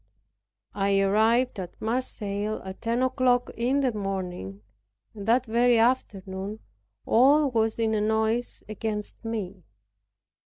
I arrived at Marseilles at ten o'clock in the morning, and that very afternoon all was in a noise against me.